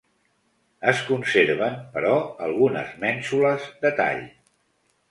Es conserven, però algunes mènsules de tall.